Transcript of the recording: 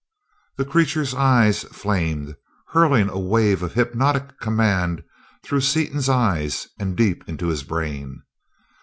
The creature's eyes flamed, hurling a wave of hypnotic command through Seaton's eyes and deep into his brain.